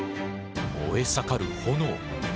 燃え盛る炎。